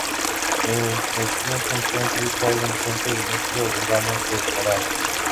La estación se encuentra ubicada en el centro del núcleo urbano de Aarau.